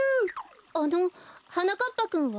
あのはなかっぱくんは？